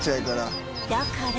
だから